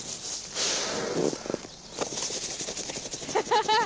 ハハハッ！